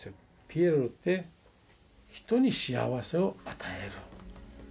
ピエロって、人に幸せを与える。